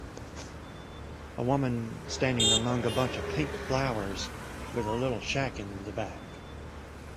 A woman standing among a bunch of pink flowers, with a little shack in the back.